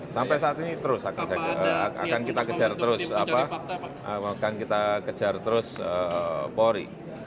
sampai saat ini terus akan kita kejar terus polri